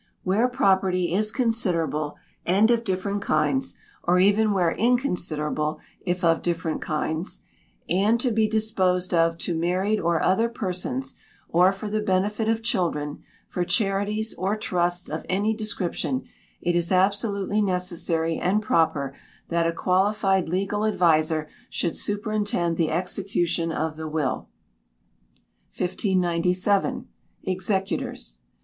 Where property is considerable, and of different kinds, or even where inconsiderable, if of different kinds, and to be disposed of to married or other persons, or for the benefit of children, for charities, or trusts of any description, it is absolutely necessary and proper that a qualified legal adviser should superintend the execution of the will. 1597. Executors.